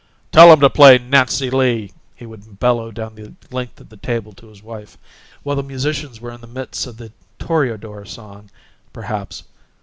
"Tell 'em to play 'Nancy Lee'!" he would bellow down the length of the table to his wife, while the musicians were in the midst of the "Toreador" song, perhaps.